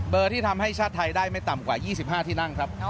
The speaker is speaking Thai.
ที่ทำให้ชาติไทยได้ไม่ต่ำกว่า๒๕ที่นั่งครับ